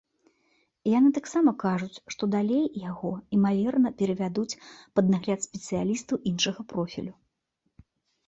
Яны таксама кажуць, што далей яго, імаверна, перавядуць пад нагляд спецыялістаў іншага профілю.